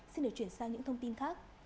xin được chuyển sang những thông tin khác